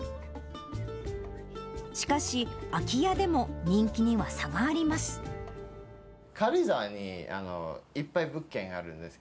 しかし、空き家でも人気には差があります。